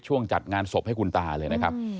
จัดงานศพให้คุณตาเลยนะครับ